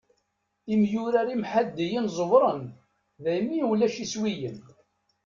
Imyurar imḥaddiyen ẓewren daymi i ulac iswiyen.